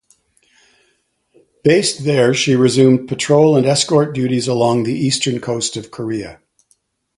Based there, she resumed patrol and escort duties along the eastern coast of Korea.